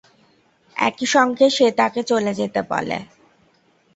একই সঙ্গে সে তাকে চলে যেতে বলে।